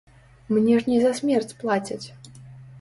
Мне ж не за смерць плацяць.